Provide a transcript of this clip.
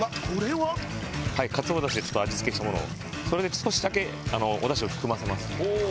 はい鰹出汁で味付けしたものをそれに少しだけお出汁を含ませますほう！